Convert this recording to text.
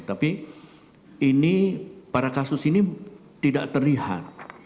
tapi ini pada kasus ini tidak terlihat